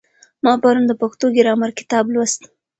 ما پرون د پښتو ګرامر کتاب لوست.